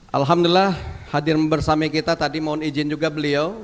alhamdulillah hadir bersama kita tadi mohon izin juga beliau